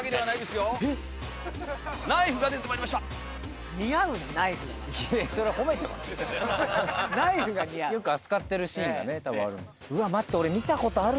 よく扱ってるシーンがねたぶんある。